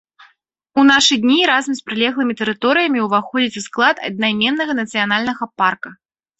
У нашы дні разам з прылеглымі тэрыторыямі ўваходзіць у склад аднайменнага нацыянальнага парка.